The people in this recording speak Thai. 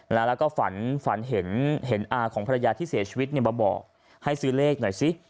แล้วก็ฝันฝันเห็นอาของภรรยาที่เสียชีวิตมาบอกให้ซื้อเลขหน่อยสิ